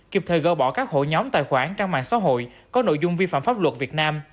kịp thời gỡ bỏ các hội nhóm tài khoản trang mạng xã hội có nội dung vi phạm pháp luật việt nam